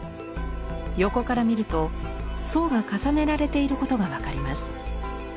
横から見ると層が重ねられていることが分かります。